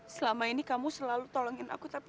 selama ini kamu selalu tolongin aku tapi